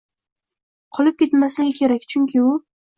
qolib ketmasligi kerak, chunki u